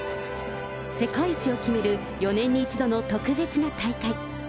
世界一を決める４年に１度の特別な大会。